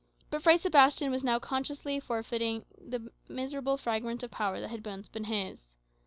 But Fray Sebastian was now consciously forfeiting even the miserable fragment of power that had once been his.